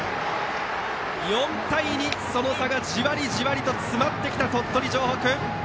４対２、その差がじわりじわりと詰まってきた鳥取城北！